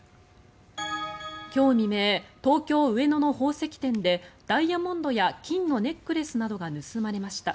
今日未明、東京・上野の宝石店でダイヤモンドや金のネックレスなどが盗まれました。